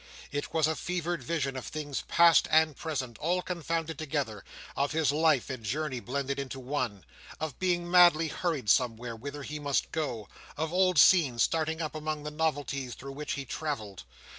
It was a fevered vision of things past and present all confounded together; of his life and journey blended into one. Of being madly hurried somewhere, whither he must go. Of old scenes starting up among the novelties through which he travelled.